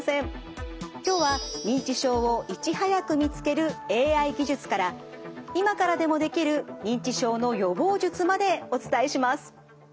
今日は認知症をいち早く見つけるＡＩ技術から今からでもできる認知症の予防術までお伝えします。